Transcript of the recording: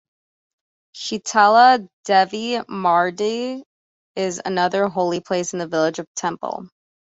Shitala Devi mandir is another holy place in this village of temple.